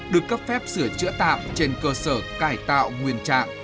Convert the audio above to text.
được cấp phép sửa chữa tạm trên cơ sở cải tạo nguyên trạng